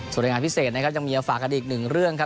ส่วนรายงานพิเศษนะครับยังมีมาฝากกันอีกหนึ่งเรื่องครับ